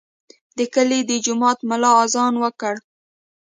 د کلي د جومات ملا اذان وکړ.